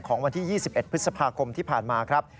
วันที่๒๑พฤษภาคมที่ผ่านมาครับ